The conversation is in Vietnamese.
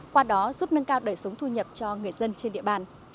qua đó giúp nâng cao đời sống thu nhập cho người dân trên địa bàn